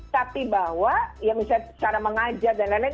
tapi bahwa ya misalnya cara mengajar dan lain lain